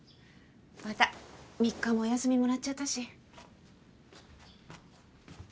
また３日もお休みもらっちゃったし。